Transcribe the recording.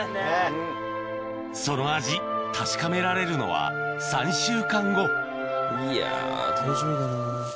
その味確かめられるのは３週間後いや楽しみだな。